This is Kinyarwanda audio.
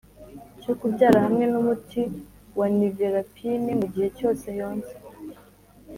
cyo kubyara hamwe n umuti wa niverapine mu gihe cyose yonsa